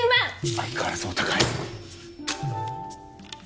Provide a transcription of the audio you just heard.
相変わらずお高い